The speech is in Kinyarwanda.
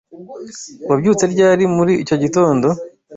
Wabyutse ryari muri icyo gitondo?